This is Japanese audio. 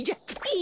え！